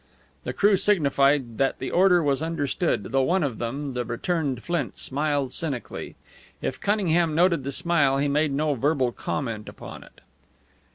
The crew signified that the order was understood, though one of them the returned Flint smiled cynically. If Cunningham noted the smile he made no verbal comment upon it.